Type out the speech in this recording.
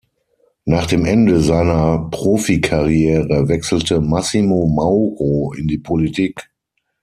Nach dem Ende seiner Profikarriere wechselte Massimo Mauro in die Politik.